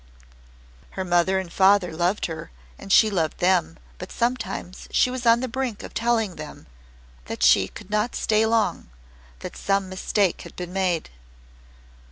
Her mother and father loved her and she loved them, but sometimes she was on the brink of telling them that she could not stay long that some mistake had been made.